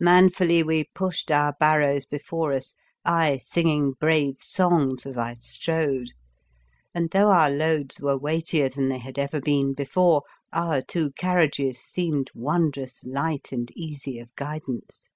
Manfully we pushed our barrows before us, I singing brave songs as I strode, and, though our loads were weightier than they had ever been before, our two carriages seemed wondrous light and easy of guidance.